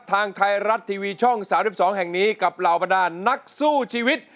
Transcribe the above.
ทางไทยรัฐทีวีช่อง๓๒แห่งนี้กับเหล่าบรรดานนักสู้ชีวิต